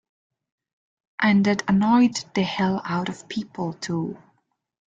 And that annoyed the hell out of people too.